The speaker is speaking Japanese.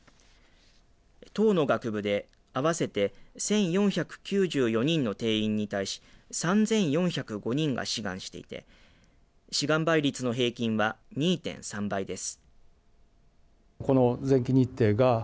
１０の学部で合わせて１４９４人の定員に対し３４０５人が志願していて志願倍率の平均は２．３倍です。